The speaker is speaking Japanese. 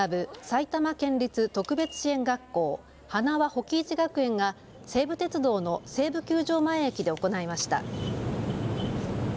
埼玉県立特別支援学校塙保己一学園が西武鉄道の西武球場前駅で行いました。